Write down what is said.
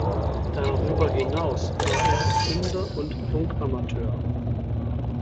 Darüber hinaus war er Erfinder und Funkamateur.